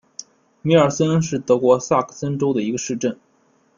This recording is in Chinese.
米尔森是德国萨克森州的一个市镇。